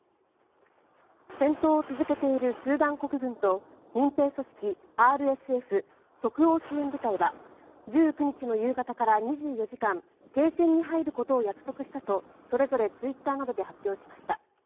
戦闘を続けているスーダン国軍と民兵組織ＲＳＦ・即応支援部隊は１９日の夕方から２４時間停戦に入ることを約束したとそれぞれツイッターなどで発表しました。